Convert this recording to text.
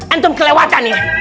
antum kelewatan nih